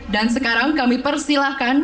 dan sekarang kami persilahkan